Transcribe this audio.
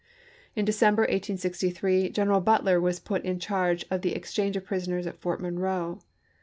In December, 1863, General Butler was put in charge of the exchange of prisoners at Fort Monroe.